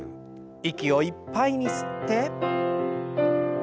息をいっぱいに吸って。